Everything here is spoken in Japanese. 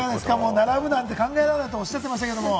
並ぶなんて考えられないっておっしゃってましたけれども。